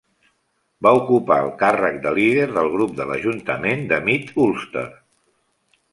Va ocupar el càrrec de líder del grup de l'ajuntament de Mid Ulster